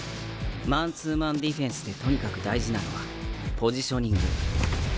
マンツーマンディフェンスでとにかく大事なのはポジショニング。